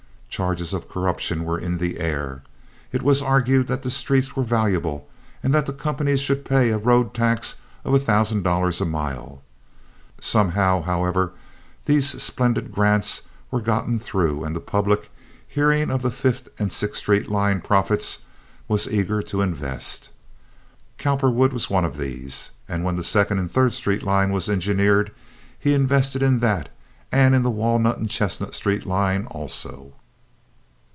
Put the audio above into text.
Charges of corruption were in the air. It was argued that the streets were valuable, and that the companies should pay a road tax of a thousand dollars a mile. Somehow, however, these splendid grants were gotten through, and the public, hearing of the Fifth and Sixth Street line profits, was eager to invest. Cowperwood was one of these, and when the Second and Third Street line was engineered, he invested in that and in the Walnut and Chestnut Street line also.